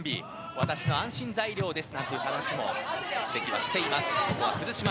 私の安心材料ですなんていう話も関はしています。